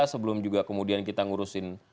sebelum juga kemudian kita ngurusin